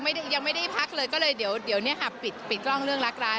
ยังไม่ได้ยังไม่ได้พักเลยก็เลยเดี๋ยวเนี่ยค่ะปิดปิดกล้องเรื่องรักร้าย